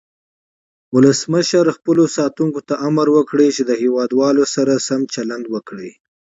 ولسمشر خپلو ساتونکو ته امر وکړ چې د هیواد والو سره سم چلند وکړي.